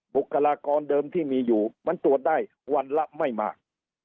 บุคลากรเดิมที่มีอยู่มันตรวจได้วันละไม่มาก